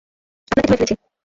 আপনাকে ধরে ফেলেছি।